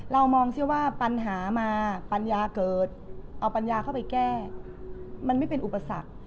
เรามองซิว่าปัญหามาปัญญาเกิดเอาปัญญาเข้าไปแก้มันไม่เป็นอุปสรรค